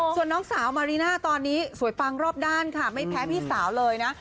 ส่วนน้องสาวมาริน่าตอนนี้สวยปังรอบด้านค่ะไม่แพ้พี่สาวเลยนะ